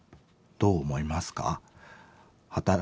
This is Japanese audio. どう思いますか？